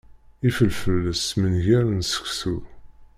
Ifelfel d msenger n seksu.